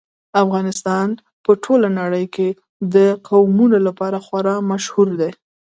افغانستان په ټوله نړۍ کې د قومونه لپاره خورا مشهور دی.